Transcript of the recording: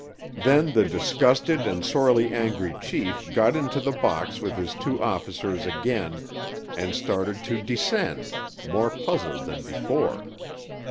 Then the disgusted and sorely angry chief got into the box with his two officers again and started to descend, more puzzled than before.